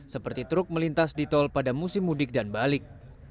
seperti truk melintas di tol pada musim mudik dan balik